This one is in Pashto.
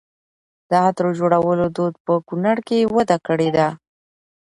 د عطرو جوړولو دود په کونړ کې وده کړې ده.